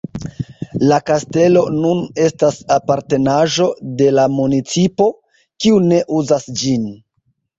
La kastelo nun estas apartenaĵo de la municipo, kiu ne uzas ĝin.